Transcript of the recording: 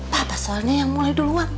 tata soalnya yang mulai duluan